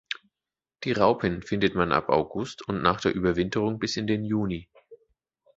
Die Raupen findet man ab August und nach der Überwinterung bis in den Juni.